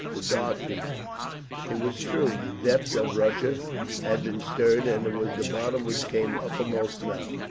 The Dark People…." It was true; the depths of Russia had been stirred, and it was the bottom which came uppermost now.